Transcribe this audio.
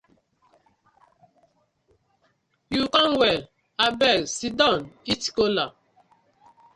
Yu com well, abeg siddon eat kola.